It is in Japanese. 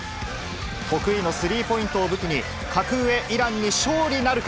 得意のスリーポイントを武器に、格上イランに勝利なるか。